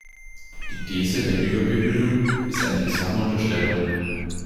Die These der Überbehütung ist eine bizarre Unterstellung.